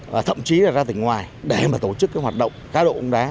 và thậm chí là ra tỉnh ngoài để mà tổ chức hoạt động khá độ ống đá